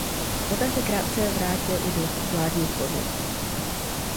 Poté se krátce vrátil i do vládních pozic.